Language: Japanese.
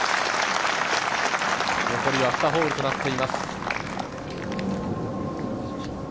残りは２ホールとなっています。